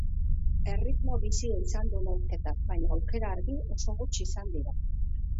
Erritmo bizia izan du neurketak, baina aukera argi oso gutxi izan dira.